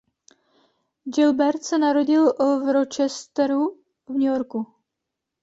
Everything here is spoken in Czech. Gilbert se narodil v Rochesteru v New Yorku.